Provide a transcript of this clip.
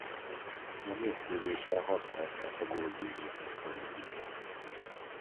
A mérkőzéseken használták a gólbíró-technológiát.